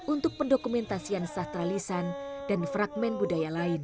untuk pendokumentasian sastra lisan dan fragment budaya lain